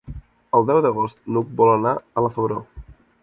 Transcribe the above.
El deu d'agost n'Hug vol anar a la Febró.